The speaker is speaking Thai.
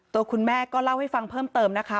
ตัวคุณแม่ก็เล่าให้ฟังเพิ่มเติมนะคะ